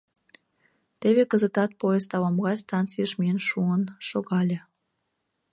Теве кызытат поезд ала-могай станцийыш миен шуын, шогале.